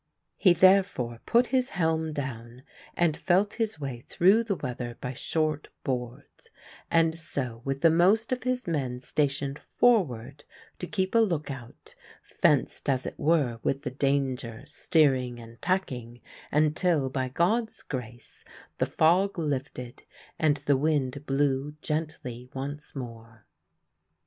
He therefore put his helm down and felt his way through the weather by short boards, and so, with the most of his men stationed forward to keep a look out, fenced, as it were, with the danger, steering and tacking, until by God's grace the fog lifted, and the wind blew gently once more.